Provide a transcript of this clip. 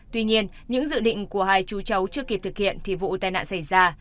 tuy nhiên những dự định của hai chú chấu chưa kịp thực hiện thì vụ tai nạn xảy ra